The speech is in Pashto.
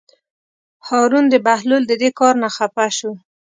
هارون د بهلول د دې کار نه خپه شو.